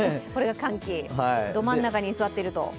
これが寒気、ど真ん中に居座っていると。